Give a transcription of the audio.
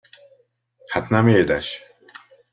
Hát nem édes?!